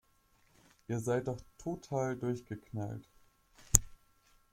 Ihr seid doch total durchgeknallt!